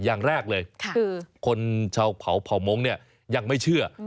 อย่างแรกเลยคือคนชาวเผาเผ่ามงค์เนี่ยยังไม่เชื่อ